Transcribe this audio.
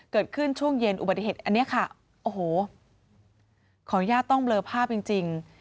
เกิดขึ้นช่วงเย็นอุบัติเหตุอันนี้ค่ะโอ้โหขออนุญาตต้องเลอภาพจริง